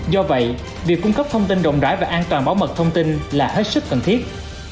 do vậy việc cung cấp thông tin rộng rãi về an toàn bảo mật thông tin là hết sức cần thiết